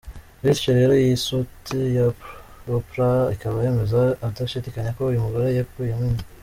Bityo rero iyi nsuti ya Oprah ikaba yemeza adashidikanya ko uyu mugore yakuyemo inda.